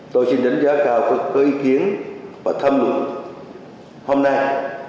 tôi xin đánh giá cao các ý kiến và thâm lực hôm nay